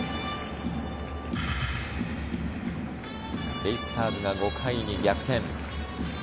ベイスターズが５回に逆転。